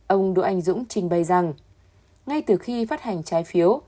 ông đỗ anh dũng trình bày rằng ngay từ khi phát hành trái phiếu